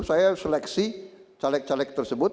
saya seleksi caleg caleg tersebut